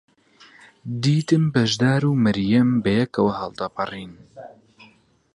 دیتم بەشدار و مەریەم بەیەکەوە هەڵدەپەڕین.